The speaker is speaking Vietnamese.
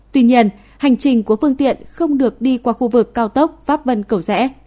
tuy nhiên hành trình của phương tiện không được đi qua khu vực cao tốc pháp vân cầu rẽ